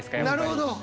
なるほど。